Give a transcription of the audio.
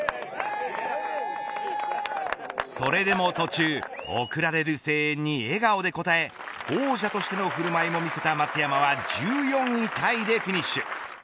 それでも途中送られる声援に笑顔で応え王者としての振る舞いも見せた松山は１４位タイでフィニッシュ。